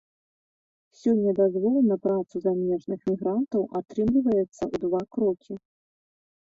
Сёння дазвол на працу замежных мігрантаў атрымліваецца ў два крокі.